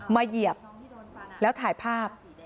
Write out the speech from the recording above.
เหยียบแล้วถ่ายภาพ